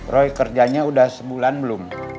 roy kerjanya udah sebulan belum